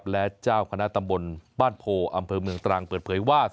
และเจ้าคณะตำบลบ้านโพอำเภอเมืองตรังเปิดเผยว่า